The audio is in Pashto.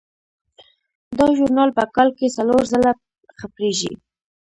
دا ژورنال په کال کې څلور ځله خپریږي.